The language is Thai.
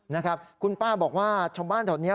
นะครับคุณป้าบอกว่าช่องบ้านเท่านี้